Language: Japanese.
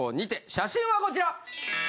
写真はこちら！